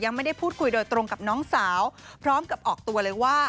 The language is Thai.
ยังไม่ได้พูดคุยโดยตรงกับน้องสาวพร้อมกับออกตัวเลยว่า